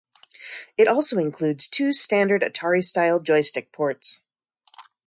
It also includes two standard Atari-style joystick ports.